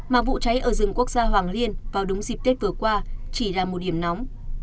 mà vụ cháy ở rừng quốc gia hoàng liên vào đúng dịp tết vừa qua chỉ là một điểm nóng